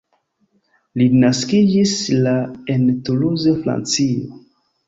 Li naskiĝis la en Toulouse Francio.